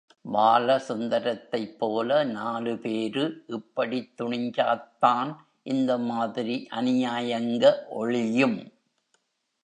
பாலசுந்தரத்தைப் போல நாலு பேரு இப்படித் துணிஞ்சாத்தான் இந்த மாதிரி அநியாயங்க ஒழியும்.